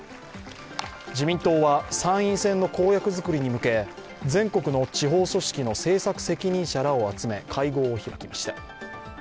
自民党は参院選の公約作りに向け全国の地方組織の政策責任者らを集め、会合を開きました。